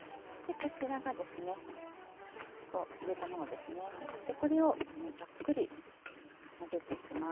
でこれをもうざっくり混ぜていきます。